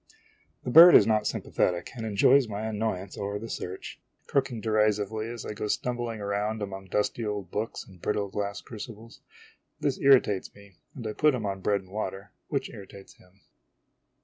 The bird is not sympathetic, and enjoys my annoyance over the search ; croaking derisively as I go stumbling around among dusty old books and brittle glass crucibles. This irritates me ; and I put him on bread and water, which irritates him.